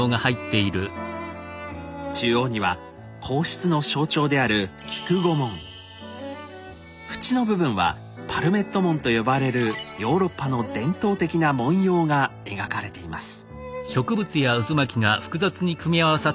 中央には皇室の象徴である縁の部分は「パルメット文」と呼ばれるヨーロッパの伝統的な文様が描かれています。